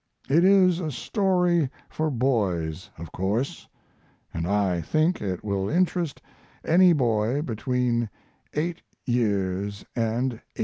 It is a story for boys, of course, & I think it will interest any boy between 8 years & 80.